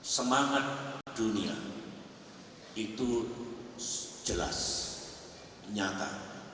semangat dunia itu jelas nyata